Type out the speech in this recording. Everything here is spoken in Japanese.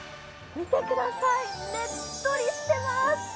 見てください、ねっとりしてます。